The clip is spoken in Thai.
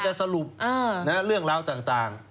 จะสรุปเรื่องราวต่าง